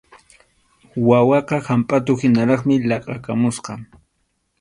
Wawaqa hampʼatuhinaraqmi laqʼakamusqa.